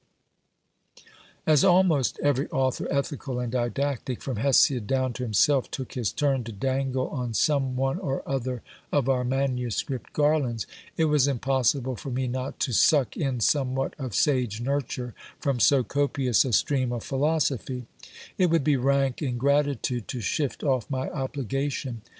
As almost every author, ethical and didactic, from Hesiod down to himself, took his turn to dangle on some one or other of our manuscript garlands, it was impossible for me not to suck in somewhat of sage nurture from so copious a stream of philosophy : it would be rank ingratitude to shift off my obligation.